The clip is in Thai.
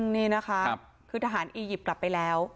นี่นะคะคือทหารอียิปต์กลับไปแล้ว